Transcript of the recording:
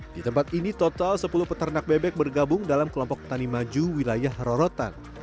di tempat ini total sepuluh peternak bebek bergabung dalam kelompok petani maju wilayah rorotan